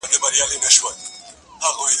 زه پرون درسونه واورېدل!؟